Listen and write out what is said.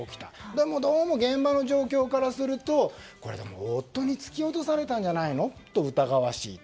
でもどうも現場の状況からすると夫に突き落とされたんじゃないのと疑わしい。